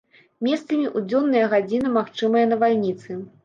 Месцамі ў дзённыя гадзіны магчымыя навальніцы.